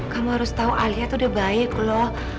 kamu harus tahu alia itu udah baik loh